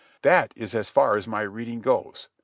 That is as far as my reading goes.